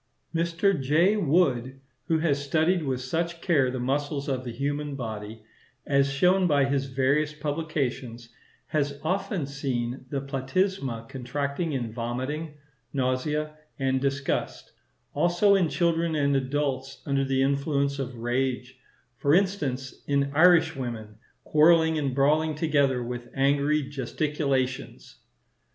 Mr. J. Wood, who has studied with such care the muscles of the human body, as shown by his various publications, has often seen the platysma contracted in vomiting, nausea, and disgust; also in children and adults under the influence of rage,—for instance, in Irishwomen, quarrelling and brawling together with angry gesticulations.